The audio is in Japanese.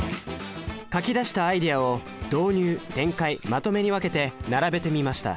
書き出したアイデアを「導入」「展開」「まとめ」に分けて並べてみました